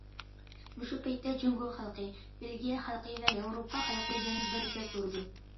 مۇشۇ پەيتتە جۇڭگو خەلقى بېلگىيە خەلقى ۋە ياۋروپا خەلقى بىلەن بىرگە تۇرىدۇ.